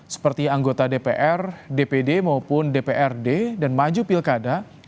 seperti anggota dpr dpd maupun dprd dan maju pilkada